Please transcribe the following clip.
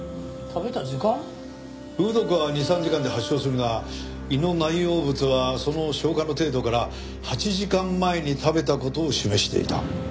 フグ毒は２３時間で発症するが胃の内容物はその消化の程度から８時間前に食べた事を示していた。